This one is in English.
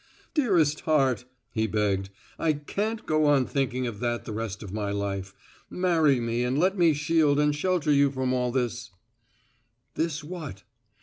"Dearest heart," he begged, "I can't go on thinking of that the rest of my life. Marry me and let me shield and shelter you from all this " "This what?"